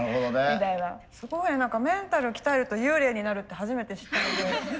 すごいメンタル鍛えると幽霊になるって初めて知ったので。